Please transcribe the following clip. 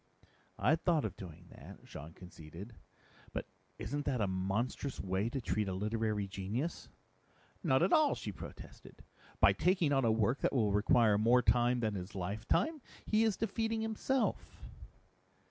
"I'd thought of doing that," Jean conceded. "But isn't that a monstrous way to treat a literary genius?" "Not at all!" she protested. "By taking on a work that will require more time than his lifetime, he is defeating himself."